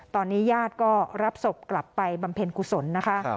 ตอนนี้ญาติก็รับศพกลับไปบำเพ็ญกุศลนะคะ